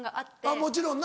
もちろんな。